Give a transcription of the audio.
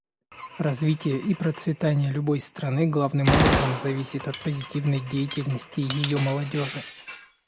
Развитие и процветание любой страны главным образом зависит от позитивной деятельности ее молодежи.